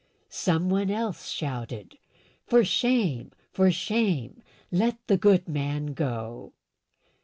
Some one else shouted, "For shame! For shame! let the good man go!"